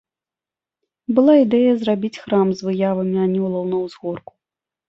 Была ідэя зрабіць храм з выявамі анёлаў, на ўзгорку.